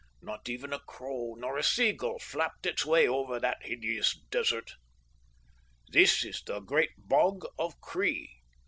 Not even a crow nor a seagull flapped its way over that hideous desert. This is the great Bog of Cree.